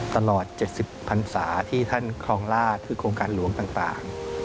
ตลอด๗๐พันศาที่ท่านครองราชคือโครงการหลวงต่าง